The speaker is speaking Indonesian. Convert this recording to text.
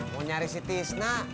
mau nyari si tisna